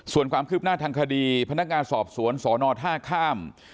ส่วนความคืบหน้าทางคดีพนักงานสอบสวนสอนอท่าข้าม